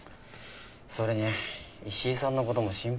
それに石井さんの事も心配だしさ。